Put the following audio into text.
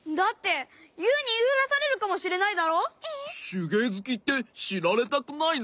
しゅげいずきってしられたくないの？